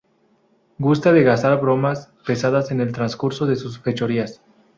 Gusta de gastar bromas pesadas en el transcurso de sus fechorías.